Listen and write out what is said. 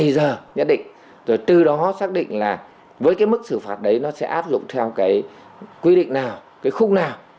rồi từ đó xác định là với cái mức xử phạt đấy nó sẽ áp dụng theo cái quy định nào cái khúc nào